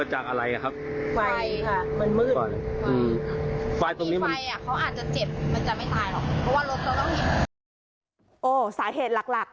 มันจะไม่ตายหรอกเพราะว่ารถเขาต้องหยิบโอ้สาเหตุหลักอะ